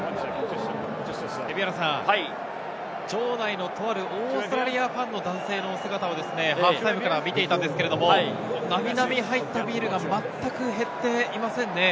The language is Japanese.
蛯原さん、場内のとあるオーストラリアファンの男性の姿をハーフタイムから見ていたんですが、なみなみ入ったビールがまったく減っていませんね。